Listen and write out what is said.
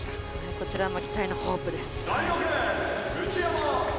こちらも期待のホープです。